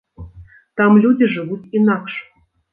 Там людзі жывуць інакш.